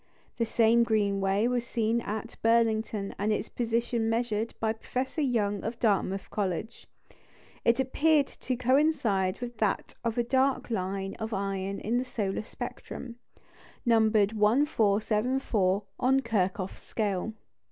The same green ray was seen at Burlington and its position measured by Professor Young of Dartmouth College. It appeared to coincide with that of a dark line of iron in the solar spectrum, numbered 1,474 on Kirchhoff's scale.